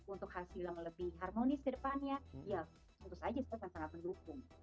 untuk hasil yang lebih harmonis ke depannya ya tentu saja saya akan sangat mendukung